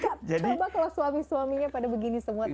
coba kalau suami suaminya pada begini semua tahu